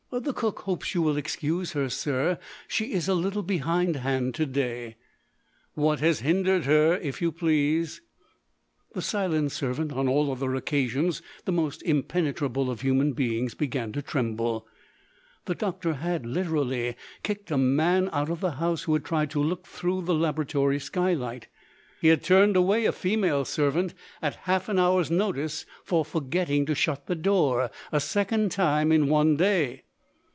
"The cook hopes you will excuse her, sir. She is a little behindhand to day." "What has hindered her, if you please?" The silent servant on all other occasions the most impenetrable of human beings began to tremble. The doctor had, literally, kicked a man out of the house who had tried to look through the laboratory skylight. He had turned away a female servant at half an hour's notice, for forgetting to shut the door, a second time in one day.